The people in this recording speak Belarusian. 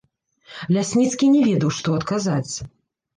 Лясніцкі не ведаў, што адказаць.